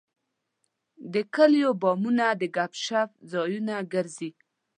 د کلیو بامونه د ګپ شپ ځایونه ګرځي.